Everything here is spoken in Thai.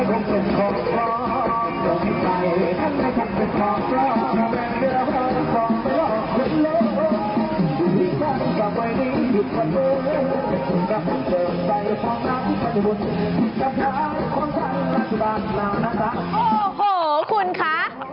โอ้โหคุณคะ